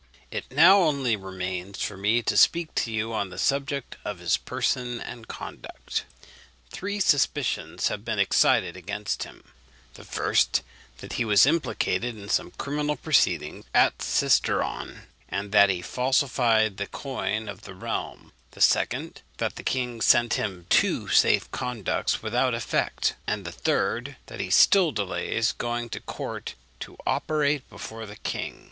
"It now only remains for me to speak to you on the subject of his person and conduct. Three suspicions have been excited against him: the first, that he was implicated in some criminal proceeding at Cisteron, and that he falsified the coin of the realm; the second, that the king sent him two safe conducts without effect; and the third, that he still delays going to court to operate before the king.